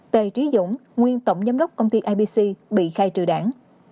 tề trí dũng nguyên tổng giám đốc công ty ibc bị khai trừ đảng